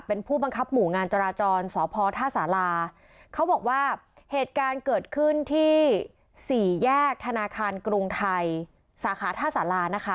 เป็นผู้บังคับหมู่งานจราจรสพท่าสาราเขาบอกว่าเหตุการณ์เกิดขึ้นที่สี่แยกธนาคารกรุงไทยสาขาท่าสารานะคะ